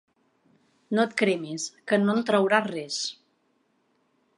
No et cremis, que no en trauràs res.